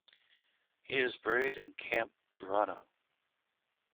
He is buried in Campo Verano.